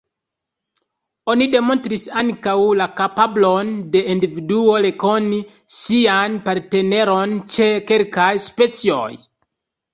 Oni demonstris ankaŭ la kapablon de individuo rekoni sian partneron ĉe kelkaj specioj.